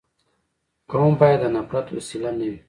قوم باید د نفرت وسیله نه وي.